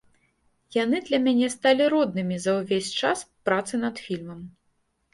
Яны для мяне сталі роднымі за ўвесь час працы над фільмам.